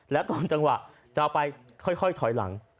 แล้วตอนจังหวะจะเอาไปค่อยถอยหลัง